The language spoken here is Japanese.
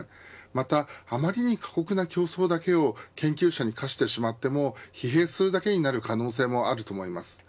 また、余りに過酷な競争だけを研究者に課してしまっても疲弊するだけになる可能性もあると思います。